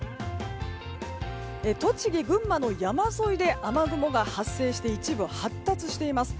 栃木、群馬の山沿いで雨雲が発生して一部発達しています。